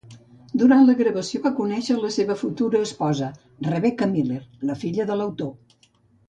Durant la gravació, va conèixer la seva futura esposa, Rebecca Miller, la filla de l'autor.